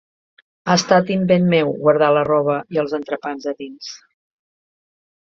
Ha estat invent meu, guardar la roba i els entrepans a dins.